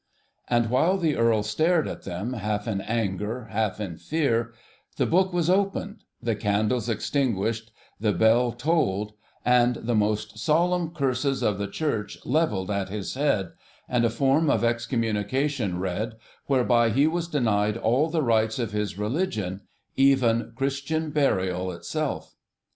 And while the Earl stared at them, half in anger, half in fear, the book was opened, the candles extinguished, the bell tolled, the most solemn curses of the Church levelled at his head, and a form of excommunication read, whereby he was denied all the rites of his religion, even Christian burial itself.